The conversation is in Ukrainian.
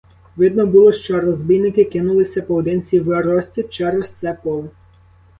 Видно було, що розбійники кинулися поодинці врозтіч через це поле.